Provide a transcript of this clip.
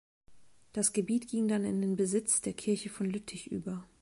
Das Gebiet ging dann in den Besitz der Kirche von Lüttich über.